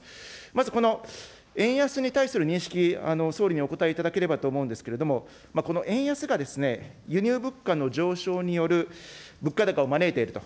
まずこの円安に対する認識、総理にお答えいただければと思うんですけれども、この円安が輸入物価の上昇による物価高を招いていると。